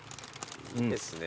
いいですね。